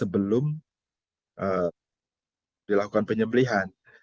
belum dilakukan penyembelihan